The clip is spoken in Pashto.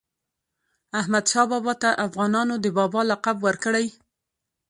احمدشاه بابا ته افغانانو د "بابا" لقب ورکړی.